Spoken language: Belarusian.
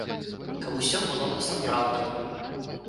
Каб усё было па-сапраўднаму.